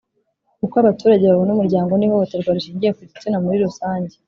Uko abaturage babona umuryango n ihohoterwa rishingiye ku gitsina muri rusange